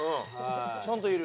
ちゃんといる。